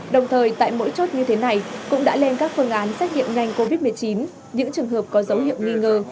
đồng thời tại mỗi chốt như thế này cũng đã lên các phương án xét nghiệm nhanh covid một mươi chín những trường hợp có dấu hiệu nghi ngờ